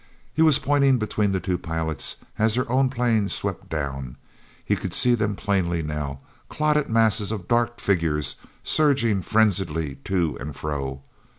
e was pointing between the two pilots as their own plane swept down. He could see them plainly now, clotted masses of dark figures surging frenziedly to and fro.